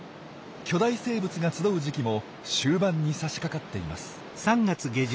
巨大生物が集う時期も終盤にさしかかっています。